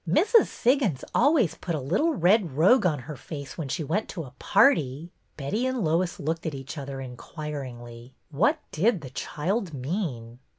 ''Mrs. Siggins always put a little red rogue on her face when she went to a party." Betty and Lois looked at each other inquir ingly. What did the child mean?